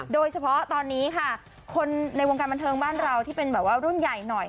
โดยเฉพาะตอนนี้บ้านเราที่เป็นรุ่นใหญ่